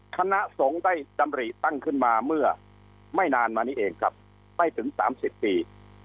คณะสงฆ์ได้ดำริตั้งขึ้นมาเมื่อไม่นานมานี้เองครับไม่ถึง๓๐ปี